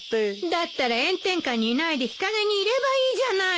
だったら炎天下にいないで日陰にいればいいじゃないの。